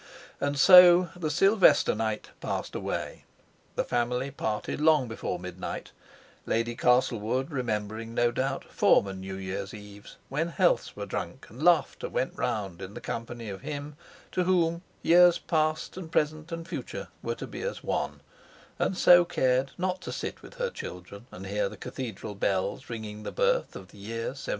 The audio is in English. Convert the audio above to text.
And so, the sylvester night passed away; the family parted long before midnight, Lady Castlewood remembering, no doubt, former New Years' Eves, when healths were drunk, and laughter went round in the company of him, to whom years, past, and present, and future, were to be as one; and so cared not to sit with her children and hear the Cathedral bells ringing the birth of the year 1703.